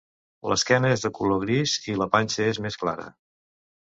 L'esquena és de color gris i la panxa és més clara.